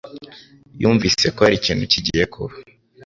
yumvise ko hari ikintu kigiye kuba.